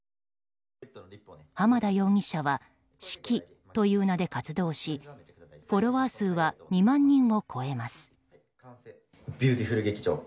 浜田容疑者はしきという名で活動しフォロワー数は２万人を超えます。